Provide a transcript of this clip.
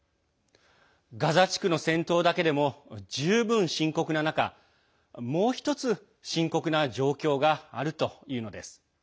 ガザ地区の戦闘だけでも十分深刻な中もう一つ深刻な状況があるというのです。